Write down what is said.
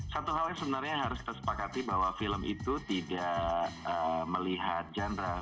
satu hal yang sebenarnya harus kita sepakati bahwa film itu tidak melihat genre